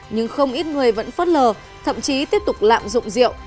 nhưng không ít người vẫn phất lờ thậm chí tiếp tục lạm dụng diệu